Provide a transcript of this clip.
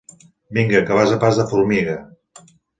Vinga, que vas a pas de formiga!